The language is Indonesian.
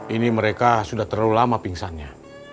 ini mereka sudah terlalu lama pingsannya